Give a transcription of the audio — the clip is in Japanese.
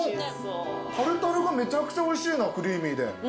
タルタルがめちゃくちゃおいしいなクリーミーで。